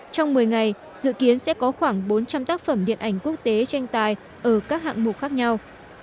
trong một mươi ngày dự kiến sẽ có khoảng bốn trăm linh tác phẩm điện ảnh quốc tế tranh tài ở các hạng mục khác nhau